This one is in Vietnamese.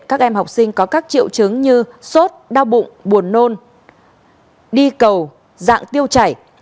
các em học sinh có các triệu chứng như sốt đau bụng buồn nôn đi cầu dạng tiêu chảy